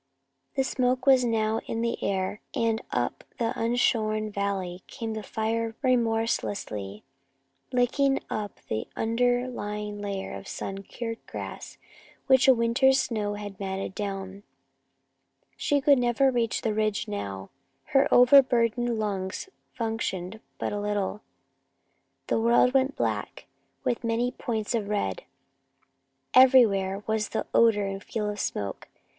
The smoke was now in the air, and up the unshorn valley came the fire remorselessly, licking up the under lying layer of sun cured grass which a winter's snow had matted down. She could never reach the ridge now. Her overburdened lungs functioned but little. The world went black, with many points of red. Everywhere was the odor and feel of smoke.